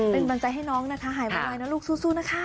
เป็นกำลังใจให้น้องนะคะหายไวนะลูกสู้นะคะ